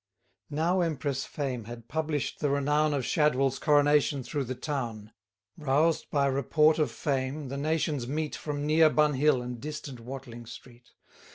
Now Empress Fame had publish'd the renown Of Shadwell's coronation through the town. Roused by report of fame, the nations meet, From near Bunhill, and distant Watling Street.